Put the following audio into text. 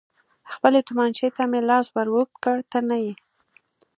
خپلې تومانچې ته مې لاس ور اوږد کړ، ته نه یې.